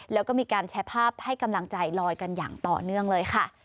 แล้วก็มีการแชร์ภาพให้กำลังใจลอยกันอย่างต่อเนื่องเลยค่ะ